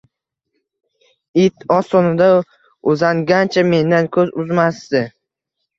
It ostonada uzangancha mendan ko`z uzmasdi